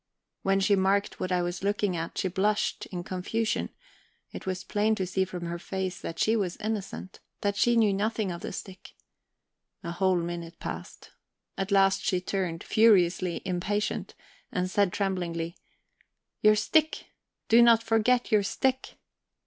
When she marked what I was looking at, she blushed in confusion; it was plain to see from her face that she was innocent, that she knew nothing of the stick. A whole minute passed. At last she turned, furiously impatient, and said tremblingly: "Your stick do not forget your stick."